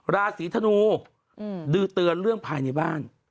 ราศีธนูดือเตือนเรื่องภายในบ้าน